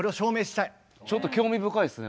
ちょっと興味深いですね。